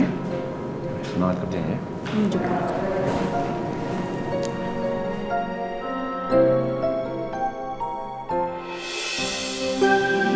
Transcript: semangat kerja ya